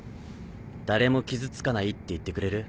誰も傷つかないって言ってくれる？